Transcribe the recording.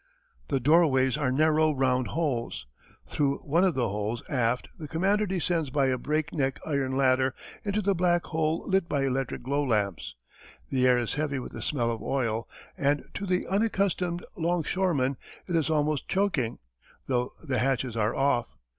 The doorways are narrow round holes. Through one of the holes aft the commander descends by a breakneck iron ladder into the black hole lit by electric glow lamps. The air is heavy with the smell of oil, and to the unaccustomed longshoreman it is almost choking, though the hatches are off.